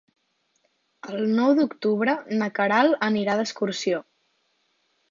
El nou d'octubre na Queralt anirà d'excursió.